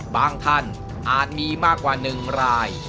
บางท่านอาจมีมากกว่าหนึ่งราย